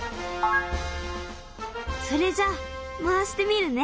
それじゃ回してみるね。